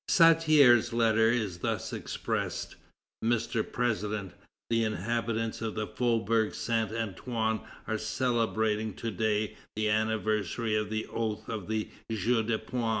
Santerre's letter is thus expressed: "Mr. President, the inhabitants of the Faubourg Saint Antoine are celebrating to day the anniversary of the oath of the Jeu de Paume.